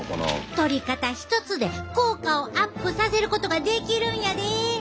とり方一つで効果をアップさせることができるんやで！